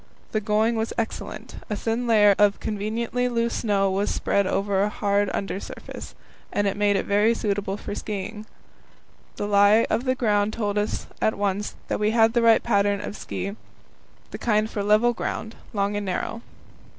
The going was excellent; a thin layer of conveniently loose snow was spread over a hard under surface, and made it very suitable for skiing. The lie of the ground told us at once that we had the right pattern of ski the kind for level ground, long and narrow.